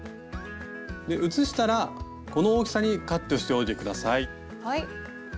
写したらこの大きさにカットしておいて下さい。